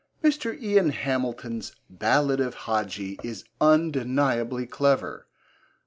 Mr. Ian Hamilton's Ballad of Hadji is undeniably clever.